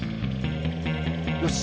よし！